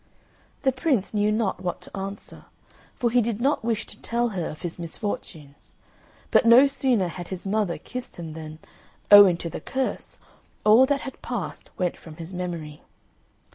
The Prince knew not what to answer, for he did not wish to tell her of his misfortunes; but no sooner had his mother kissed him than, owing to the curse, all that had passed went from his memory.